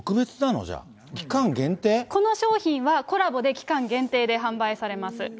この商品は、コラボで期間限定で販売されます。